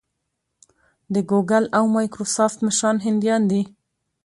د ګوګل او مایکروسافټ مشران هندیان دي.